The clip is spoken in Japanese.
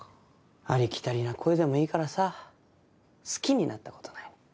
ありきたりな恋でもいいからさ好きになったことないの？